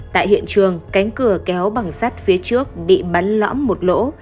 tại hiện trường cánh cửa kéo bằng sắt phía trước bị bắn lõm một lỗ